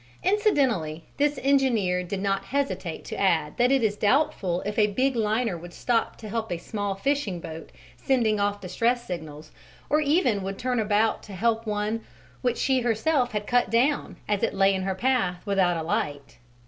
Incidentally, this engineer did not hesitate to add that it is doubtful if a big liner would stop to help a small fishing boat sending off distress signals, or even would turn about to help one which she herself had cut down as it lay in her path without a light.